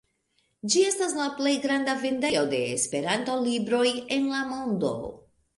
Ĝi estas la plej granda vendejo de Esperanto-libroj en la mondo.